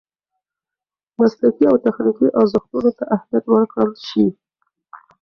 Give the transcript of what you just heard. مسلکي او تخنیکي ارزښتونو ته اهمیت ورکړل شي.